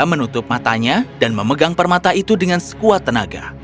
mereka menutup matanya dan memegang permata itu dengan sekuat tenaga